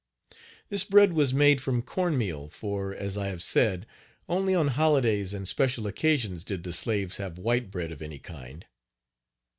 This bread was made from corn meal for, as I have said, only on holidays and special occasions did the slaves have white bread of any kind.